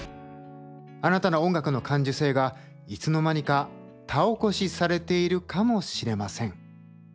あなたの音楽の感受性がいつの間にか田起こしされているかもしれません。